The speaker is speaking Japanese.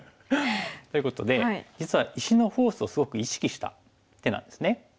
ということで実は石のフォースをすごく意識した手なんですね。